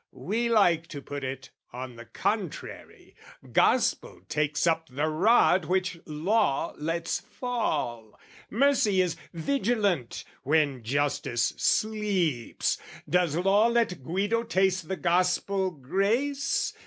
"We like to put it, on the contrary, "Gospel takes up the rod which Law lets fall; "Mercy is vigilant when justice sleeps; "Does Law let Guido taste the Gospel grace?